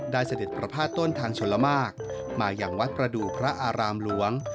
เสด็จประพาทต้นทางชนละมากมาอย่างวัดประดูกพระอารามหลวง